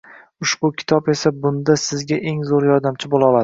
Ushbu kitob esa bunda sizga eng zoʻr yordamchi boʻla oladi.